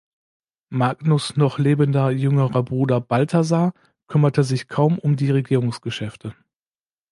Magnus noch lebender jüngerer Bruder Balthasar kümmerte sich kaum um die Regierungsgeschäfte.